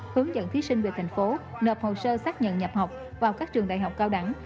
hướng dẫn thí sinh về thành phố nợp hồ sơ xác nhận nhập học vào các trường đại học cao đẳng